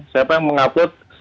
siapa yang mengupload